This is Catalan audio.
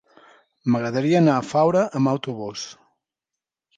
M'agradaria anar a Faura amb autobús.